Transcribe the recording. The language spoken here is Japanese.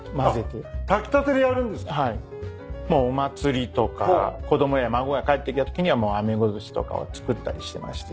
もうお祭りとか子供や孫が帰ってきたときにはアメゴずしとかを作ったりしてまして。